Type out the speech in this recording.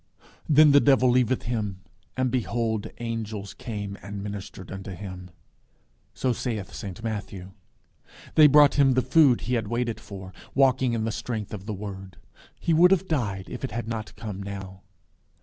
"Then the devil leaveth him, and behold angels came and ministered unto him." So saith St Matthew. They brought him the food he had waited for, walking in the strength of the word. He would have died if it had not come now.